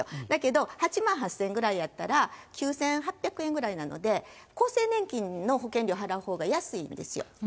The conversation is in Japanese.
だけど、８万８０００円ぐらいやったら、９８００円ぐらいなので、厚生年金の保険料払うほうが安いんですよ。